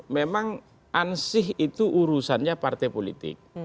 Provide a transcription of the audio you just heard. memang ansih itu urusannya partai politik